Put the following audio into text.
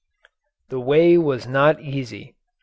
The way was not easy.